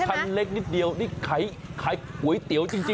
คันเล็กนิดเดียวนี่ขายก๋วยเตี๋ยวจริง